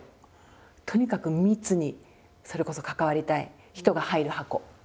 とにかく密にそれこそ関わりたい人が入る箱。